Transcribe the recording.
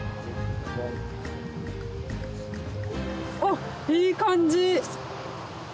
おっいい感じ！